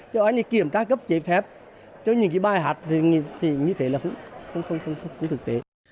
cho anh này kiểm tra cấp dẹp hẹp cho những bài hát thì như thế là không thực tế